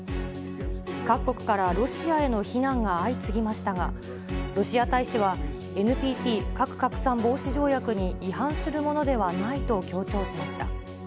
各国からロシアへの非難が相次ぎましたが、ロシア大使は、ＮＰＴ・核拡散防止条約に違反するものではないと強調しました。